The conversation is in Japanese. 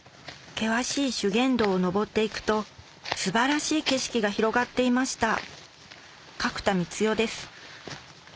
険しい修験道を登っていくと素晴らしい景色が広がっていました角田光代です